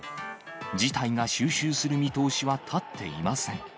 事態が収拾する見通しは立っていません。